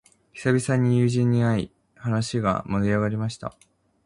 久々に友人に会い、話が盛り上がりました。